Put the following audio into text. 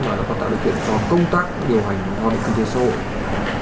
mà nó còn tạo điều kiện cho công tác điều hành hòa bình kinh tế xã hội